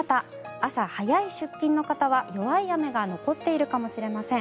朝早い出勤の方は、弱い雨が残っているかもしれません。